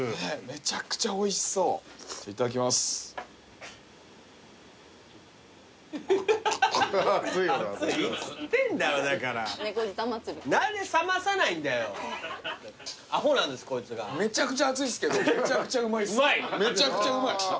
めちゃくちゃ熱いですけどめちゃくちゃうまいです。